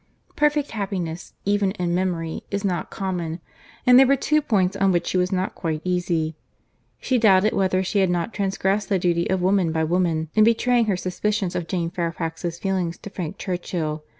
Perfect happiness, even in memory, is not common; and there were two points on which she was not quite easy. She doubted whether she had not transgressed the duty of woman by woman, in betraying her suspicions of Jane Fairfax's feelings to Frank Churchill.